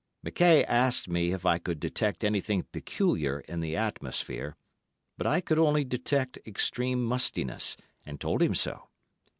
McKaye asked me if I could detect anything peculiar in the atmosphere, but I could only detect extreme mustiness, and told him so.